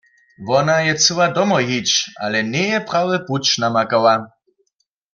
Wona je chcyła domoj hić, ale njeje prawy puć namakała.